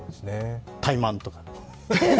タイマンとか。